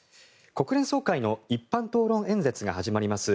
国連総会の一般討論演説が始まります